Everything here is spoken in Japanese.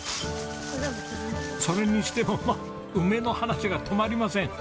それにしてもまあ梅の話が止まりません。